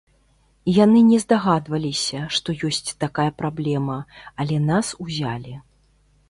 Яны не здагадваліся, што ёсць такая праблема, але нас узялі.